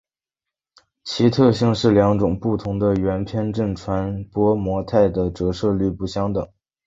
其特性是两种不同的圆偏振传播模态的折射率不相等。